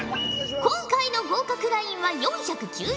今回の合格ラインは４９０ほぉじゃ。